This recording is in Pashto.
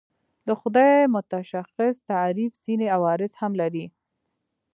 د خدای متشخص تعریف ځینې عوارض هم لري.